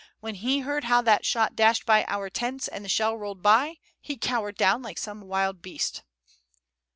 When he heard how that shot dashed by our tents, and the shell rolled by, he cowered down like some wild beast."